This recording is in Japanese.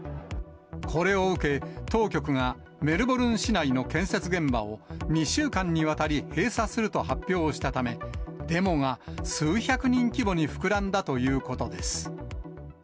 これを受け、当局がメルボルン市内の建設現場を２週間にわたり閉鎖すると発表したため、デモが数百人規模に膨らんだということです。